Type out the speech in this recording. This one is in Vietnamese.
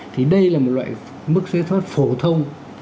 thì đây là một loại mức thuế phổ thông